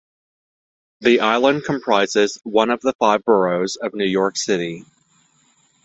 The island comprises one of the five boroughs of New York City.